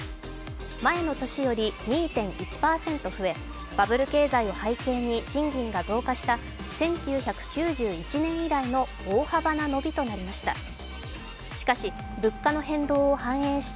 前の年より２．１％増えバブル経済を背景に賃金が増加した１９９１年以来の大幅な伸びとなりました。